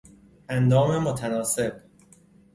اندام متناسب